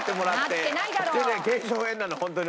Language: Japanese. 違う違う腱鞘炎なのホントに。